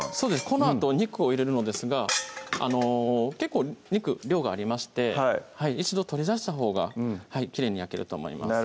このあと肉を入れるのですが結構肉量がありまして一度取り出したほうがきれいに焼けると思います